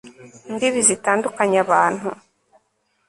imbibi zitandukanya abantu